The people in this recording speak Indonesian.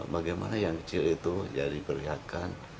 bagaimana yang kecil itu jadi perlihatkan